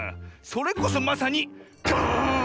それこそまさに「ガーン！」